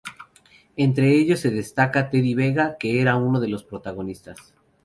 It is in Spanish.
Entre ellos se destacaba Teddy Vega, que era uno de los protagonistas.